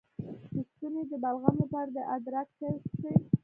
د ستوني د بلغم لپاره د ادرک چای وڅښئ